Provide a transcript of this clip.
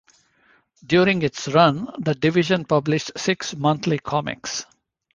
During its run the division published six monthly comics.